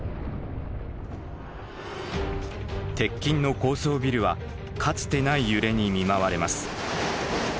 鉄筋の高層ビルはかつてない揺れに見舞われます。